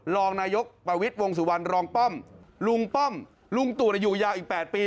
รองนายกประวิทย์วงสุวรรณรองป้อมลุงป้อมลุงตู่อยู่ยาวอีก๘ปี